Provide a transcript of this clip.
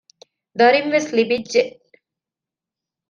ދަރިންވެސް ލިބިއްޖެ